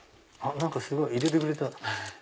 何かすごい！入れてくれた！